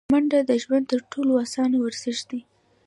منډه د ژوند تر ټولو اسانه ورزش دی